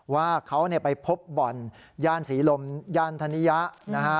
ว่าเขาไปพบบ่อนย่านศรีลมย่านธนิยะนะฮะ